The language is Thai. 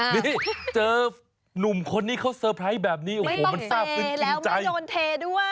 นี่เจอหนุ่มคนนี้เขาเซอร์ไพรส์แบบนี้โอ้โหมันทราบซึ้งแล้วโดนเทด้วย